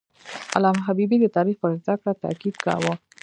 علامه حبیبي د تاریخ پر زده کړه تاکید کاوه.